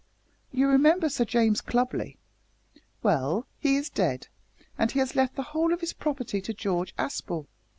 You remember Sir James Clubley? Well, he is dead, and he has left the whole of his property to George Aspel!